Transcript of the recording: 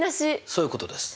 そういうことです。